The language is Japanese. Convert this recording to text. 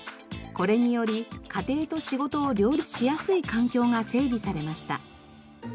これにより家庭と仕事を両立しやすい環境が整備されました。